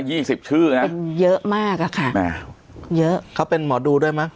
สิบชื่อนะเป็นเยอะมากอะค่ะแม่เยอะเขาเป็นหมอดูด้วยมั